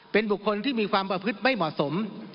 เป็นบุคคลที่มีความประพฤติไม่เหมาะสม